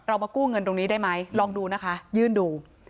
มากู้เงินตรงนี้ได้ไหมลองดูนะคะยื่นดู